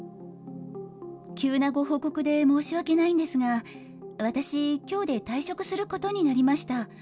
急なご報告で申し訳ないんですが、私、きょうで退職することになりました。